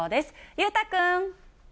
裕太君。